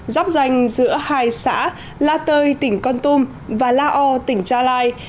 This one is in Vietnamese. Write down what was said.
dọc danh giữa hai xã la tơi tỉnh con tum và la o tỉnh tra lai